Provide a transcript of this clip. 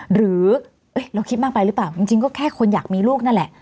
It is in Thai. หรือเราคิดมากไปหรือเปล่าจริงก็แค่คนอยากมีลูกนั่นแหละ